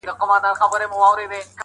زما غمی یې دی له ځانه سره وړﺉ,